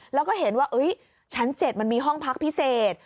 แล้วก็เห็นว่าชั้น๗มันมีห้องพักพิเศษ